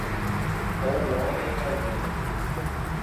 ou um homem ao vento.